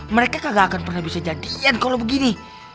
mereka gak akan pernah bisa jadian kalau begini